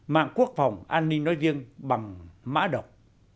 mạng quốc phòng an ninh nói riêng bằng mã độc